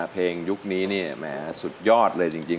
เพลงยุคนี้แหมสุดยอดเลยจริง